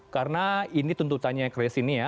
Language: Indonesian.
karena ini tentu tanya kris ini ya